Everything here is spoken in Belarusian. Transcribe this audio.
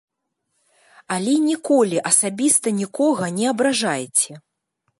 Але ніколі асабіста нікога не абражайце.